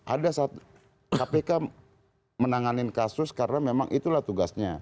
ada saat kpk menanganin kasus karena memang itulah tugasnya